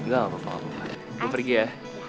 gue pergi ya